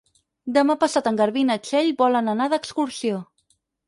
Demà passat en Garbí i na Txell volen anar d'excursió.